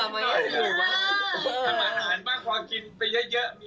พี่บ่าจะทำอะไรล่ะครับ